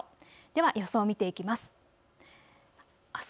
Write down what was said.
では予想を見ていきます。